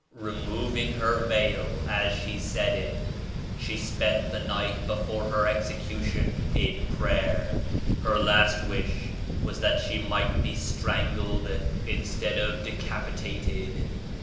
* removing her veil as she said it. She spent the night before her execu tion in prayer. Her last wish was that she might be strangled instead of decapitated.